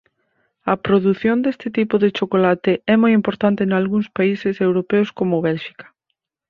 A produción deste tipo de chocolate é moi importante nalgúns países europeos como Bélxica.